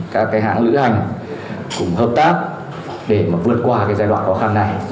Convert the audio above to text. các hãng lữ hành cùng hợp tác để vượt qua giai đoạn khó khăn này